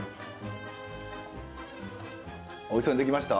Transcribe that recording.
おいしそうにできました？